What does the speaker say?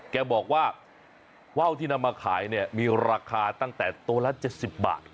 แกบอกว่าว่าวที่นำมาขายเนี่ยมีราคาตั้งแต่ตัวละ๗๐บาท